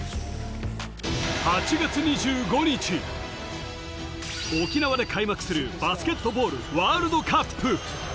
８月２５日、沖縄で開幕するバスケットボールワールドカップ。